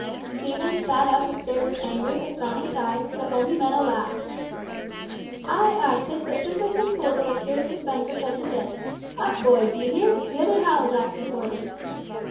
Stephen sat up and stared with angry, astonished eyes, but only met a laugh. "Ay, ay, 'tis but striplings and fools that have tears to spend for such as this! Up, boy! Dye hear? The other Hal is asking for thee."